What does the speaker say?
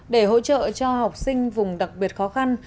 để hỗ trợ cho học sinh vùng đặc biệt khó khăn